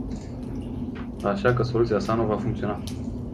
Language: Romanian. Așa că soluția sa nu va funcționa.